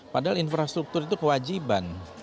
padahal infrastruktur itu kewajiban